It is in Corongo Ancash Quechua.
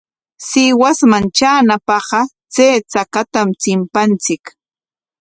Sihuasman traanapaqqa chay chakatam chimpanchik.